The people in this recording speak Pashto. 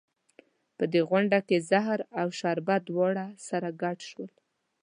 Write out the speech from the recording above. په دې ډنډه کې زهر او شربت دواړه سره ګډ شول.